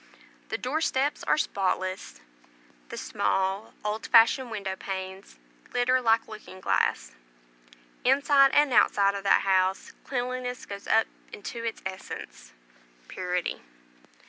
The door steps are spotless; the small old fashioned window panes glitter like looking glass. Inside and outside of that house cleanliness goes up into its essence, purity.